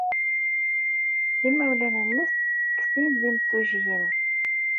Imawlan-nnes deg sin d imsujjiyen.